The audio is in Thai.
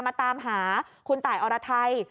มาตามหาคุณตายอรไทย